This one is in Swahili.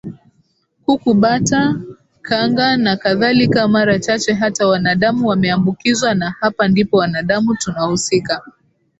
kuku bata kanga nakadhalika Mara chache hata wanadamu wameambukizwa Na hapa ndipo wanadamu tunahusika